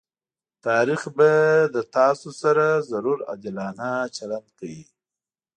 تاريخ به له تاسره ضرور عادلانه چلند کوي.